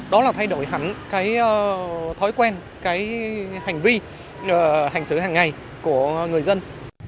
đó là thay đổi hẳn cái thói quen cái hành vi hành xử hàng ngày của người dân